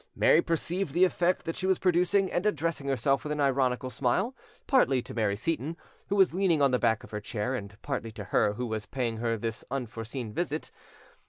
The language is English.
Mary perceived the effect that she was producing, and addressing herself with an ironical smile partly to Mary Seyton, who was leaning on the back of her chair, and partly to her who was paying her this unforeseen visit.